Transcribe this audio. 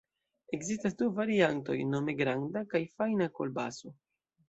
Ekzistas du variantoj nome granda kaj fajna kolbaso.